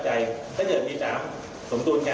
สามขาชื่ออย่างดูแล